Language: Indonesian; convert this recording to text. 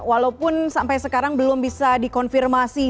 walaupun sampai sekarang belum bisa dikonfirmasi